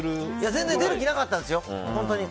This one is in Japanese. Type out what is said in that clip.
全然出る気なかったんですよ。